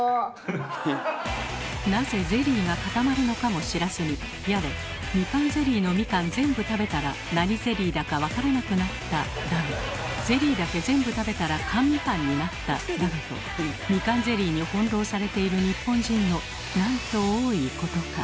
なぜゼリーが固まるのかも知らずにやれ「みかんゼリーのみかん全部食べたら何ゼリーだか分からなくなった」だの「ゼリーだけ全部食べたら缶みかんになった」だのとみかんゼリーに翻弄されている日本人のなんと多いことか。